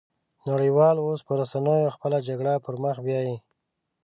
نړۍ وال اوس په رسنيو خپله جګړه پرمخ بيايي